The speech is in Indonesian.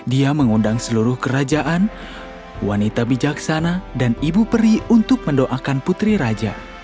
dia mengundang seluruh kerajaan wanita bijaksana dan ibu peri untuk mendoakan putri raja